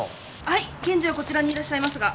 はい検事はこちらにいらっしゃいますが。